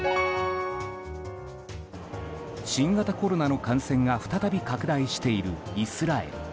新型コロナの感染が再び拡大しているイスラエル。